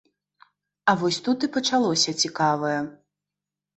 А вось тут і пачалося цікавае.